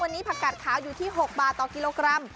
วันนี้ผักกัดขาวอยู่ที่๖บาทต่อกิโลกรัม